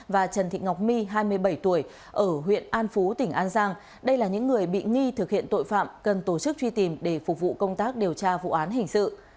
và trần thị ngọc my hai mươi bảy tuổi ở huyện an phú tỉnh an giang đây là những người bị nghi thực hiện tội phạm cần tổ chức truy tìm để phục vụ công tác điều tra vụ án hình sự